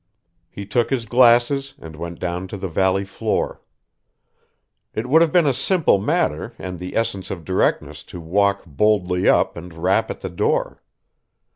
He took his glasses and went down to the valley floor. It would have been a simple matter and the essence of directness to walk boldly up and rap at the door.